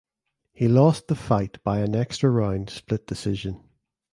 He lost the fight by an extra round split decision.